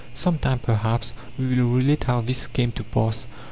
Some time, perhaps, we will relate how this came to pass.